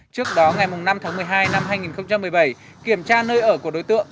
trước đó ngày năm tháng một mươi hai năm hai nghìn một mươi bảy kiểm tra nơi ở của đối tượng